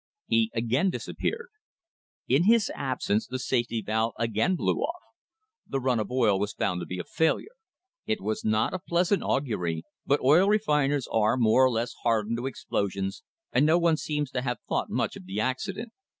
He again disappeared. In his absence the safety valve again blew off. The run of oil was found to be a failure. It was not a pleasant augury, but oil refiners are more or less hardened to explosions and no one seems to have thought much of the accident.